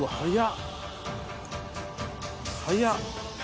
早っ！